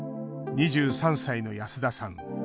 ２３歳の安田さん。